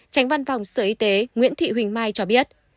tránh văn phòng sở y tế nguyễn thị huỳnh mai cho biết